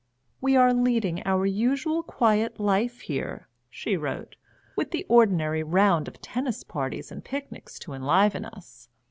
"We are leading our usual quiet life here," she wrote, "with the ordinary round of tennis parties and picnics to enliven us.